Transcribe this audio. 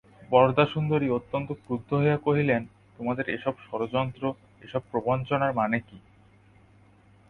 বরদাসুন্দরী অত্যন্ত ক্রুদ্ধ হইয়া কহিলেন, তোমাদের এ-সব ষড়যন্ত্র, এ-সব প্রবঞ্চনার মানে কী?